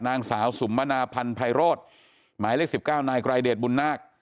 นางสาวสุมมนาพันธ์ไพโรธหมายเลขสิบเก้านายกรายเดชน์บุญนาค